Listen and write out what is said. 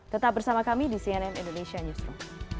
tetap bersama kami di cnn indonesia newsroom